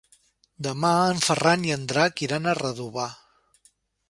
Demà en Ferran i en Drac iran a Redovà.